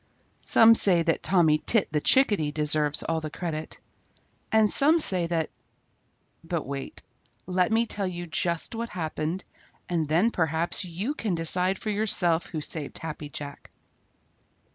Some say that Tommy Tit the Chickadee deserves all the credit, and some say that but wait. Let me tell you just what happened, and then perhaps you can decide for yourself who saved Happy Jack.